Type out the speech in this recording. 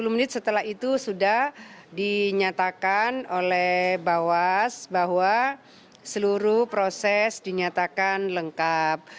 sepuluh menit setelah itu sudah dinyatakan oleh bawas bahwa seluruh proses dinyatakan lengkap